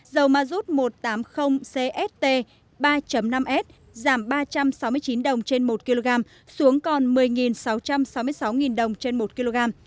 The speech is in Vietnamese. dầu mazut một trăm tám mươi cst ba năm s giảm ba trăm sáu mươi chín đồng trên một kg xuống còn một mươi sáu trăm sáu mươi sáu đồng trên một kg